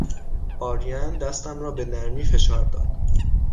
آرین دستم را به نرمی فشار داد.